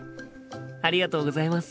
ありがとうございます。